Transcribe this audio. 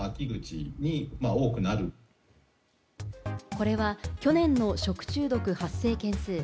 これは去年の食中毒発生件数。